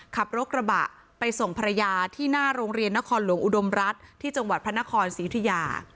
ขับรถกระบะไปส่งภรรยาที่หน้าโรงเรียนนครหลวงอุดมรัฐที่จังหวัดพระนครศรียุธิยา